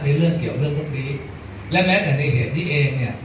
เรื่องเกี่ยวเรื่องพวกนี้และแม้แต่ในเหตุนี้เองเนี่ย